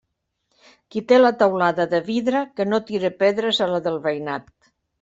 Qui té la teulada de vidre, que no tire pedres a la del veïnat.